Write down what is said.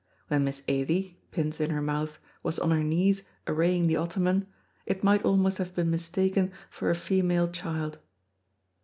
When Miss Ailie, pins in her mouth, was on her knees arraying the ottoman, it might almost have been mistaken for a female child.